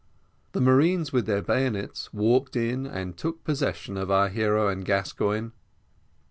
The marines with their bayonets walked in and took possession of our hero and Gascoigne.